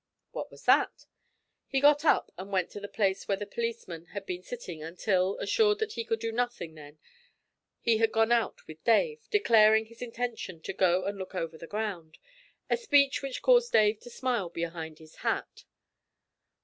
'What was that?' He got up and went to the place where the policeman had been sitting until, assured that he could do nothing then, he had gone out with Dave, declaring his intention to 'go and look over the ground,' a speech which caused Dave to smile behind his hat.